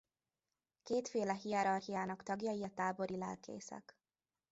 Kétféle hierarchiának tagjai a tábori lelkészek.